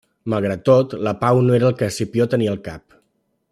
Malgrat tot, la pau no era el que Escipió tenia al cap.